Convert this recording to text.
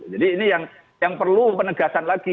jadi ini yang perlu penegasan lagi